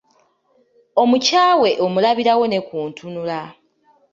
Omukyawe omulabirawo ne ku ntunula.